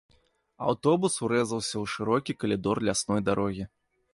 Аўтобус урэзаўся ў шырокі калідор лясной дарогі.